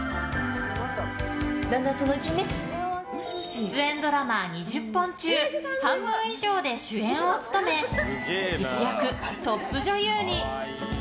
出演ドラマ２０本中半分以上で主演を務め一躍、トップ女優に。